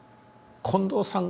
近藤さん